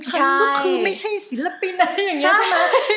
ใช่ก็คือไม่ใช่ศิลปินอะไรอย่างนี้ใช่ไหม